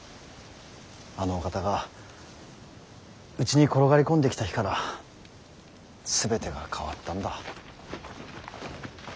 あのお方がうちに転がり込んできた日から全てが変わったんだ。